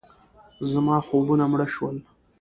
زما خوبونه مړه شول.